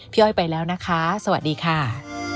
อ้อยไปแล้วนะคะสวัสดีค่ะ